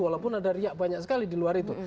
walaupun ada riak banyak sekali di luar itu